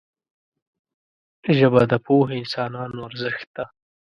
ژبه د پوهو انسانانو ارزښت ده